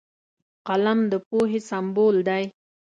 قلم د پوهې سمبول دی